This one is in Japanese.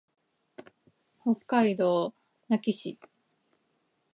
北海道名寄市